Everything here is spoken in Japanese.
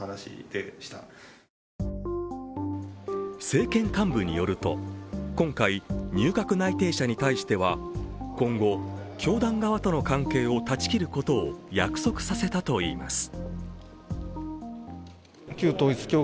政権幹部によると、今回入閣内定者に対しては今後、教団側との関係を断ち切ることを約束させたといいます。